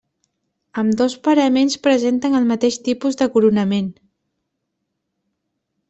Ambdós paraments presenten el mateix tipus de coronament.